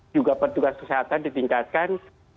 juga pertugas kesehatan ditingkatkan